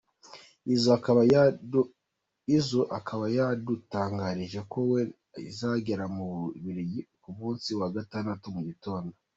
Izzo akaba yadutangarije ko we azagera mu Bubiligi ku munsi wa gatandatu mu gitondo.